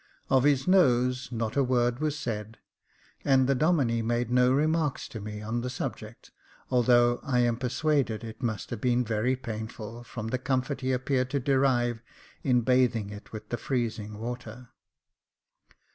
Of his nose not a word was said ; and the Domine made no remarks to me on the subject, although I am persuaded Jacob Faithful 127 it must have been very painful, from the comfort he appeared to derive in bathing it with the freezing water.